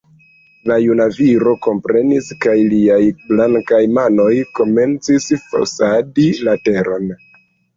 La juna viro komprenis; kaj liaj blankaj manoj komencis fosadi la teron.